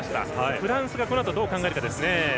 フランスがこのあとどう考えるかですね。